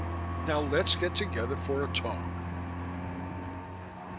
Now let's get together for a talk.